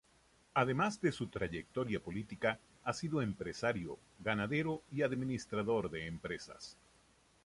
Además de su trayectoria política, ha sido empresario, ganadero y administrador de empresas.